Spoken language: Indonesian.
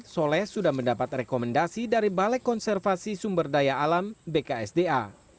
soleh sudah mendapat rekomendasi dari balai konservasi sumber daya alam bksda